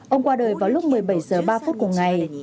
ông qua đời vào lúc một mươi bảy giờ ba phút của ngày